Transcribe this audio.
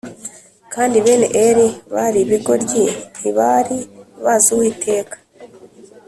Kandi bene Eli bari ibigoryi ntibari bazi Uwiteka